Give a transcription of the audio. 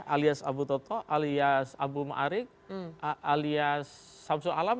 alias abu toto alias abu ma'arik alias samsul alam